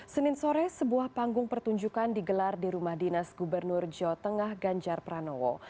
senin sore sebuah panggung pertunjukan digelar di rumah dinas gubernur jawa tengah ganjar pranowo